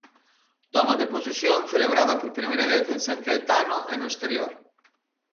Toma de posesión celebrada por primeira vez en San Caetano e no exterior.